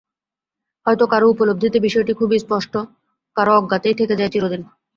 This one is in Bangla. হয়তো কারও উপলব্ধিতে বিষয়টি খুবই স্পষ্ট, কারও অজ্ঞাতেই থেকে যায় চিরদিন।